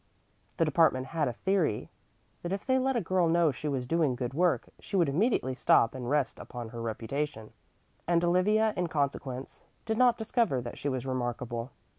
The department had a theory that if they let a girl know she was doing good work she would immediately stop and rest upon her reputation; and Olivia, in consequence, did not discover that she was remarkable.